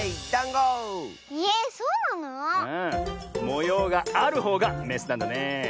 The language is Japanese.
もようがあるほうがメスなんだねえ。